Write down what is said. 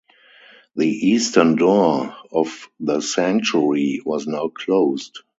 The eastern door of the sanctuary was now closed.